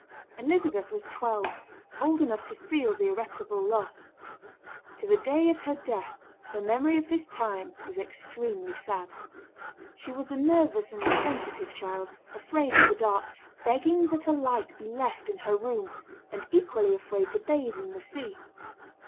Elizabeth was twelve, old enough to feel the irreparable loss. To the day of her death the memory of this time was extremely sad. She was a nervous and sensitive child, afraid of the dark, begging that a light be left in her room, and equally afraid to bathe in the sea.